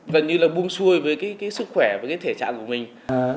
gần như là buông xuôi với cái sức khỏe và cái thể trí của mình ấy